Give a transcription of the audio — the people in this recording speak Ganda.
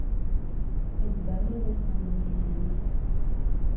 Ebbaluna ano y'ani?